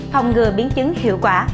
phòng ngừa biến chứng hiệu quả